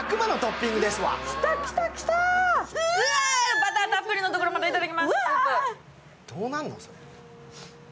バターたっぷりのところをまずいただきます、スープ。